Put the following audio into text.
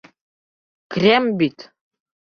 Крем бит!